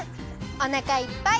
おなかいっぱい！